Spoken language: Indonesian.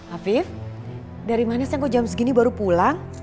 afif dari mana saya kok jam segini baru pulang